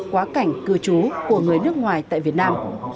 quá cảnh cư trú của người nước ngoài tại việt nam